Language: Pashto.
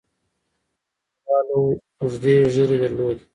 وسله والو اوږدې ږيرې درلودې.